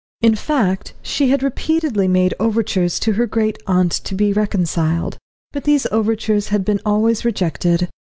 In fact, she had repeatedly made overtures to her great aunt to be reconciled, but these overtures had been always rejected.